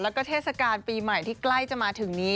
แล้วก็เทศกาลปีใหม่ที่ใกล้จะมาถึงนี้